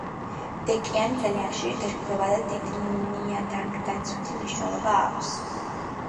დეკიანი ძალიან ხშირი დაჯგუფებაა და დიდი ნიადაგდაცვითი მნიშვნელობა აქვს.